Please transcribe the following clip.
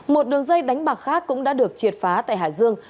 một đường dây đánh bạc khác cũng đã được triệt phá tại hải dương